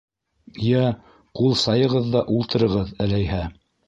Йә, ҡул сайығыҙ ҙа ултырығыҙ әләйһә.